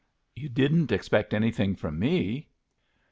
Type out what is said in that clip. You didn't expect anything from me?"